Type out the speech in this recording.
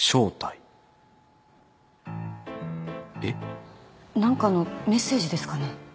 何かのメッセージですかね？